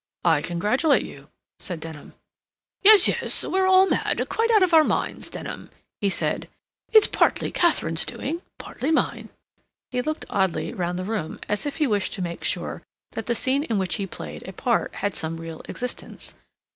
"I congratulate you," said Denham. "Yes, yes. We're all mad—quite out of our minds, Denham," he said. "It's partly Katharine's doing—partly mine." He looked oddly round the room as if he wished to make sure that the scene in which he played a part had some real existence.